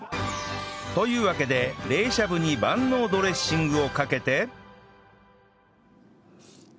というわけで冷しゃぶに万能ドレッシングをかけて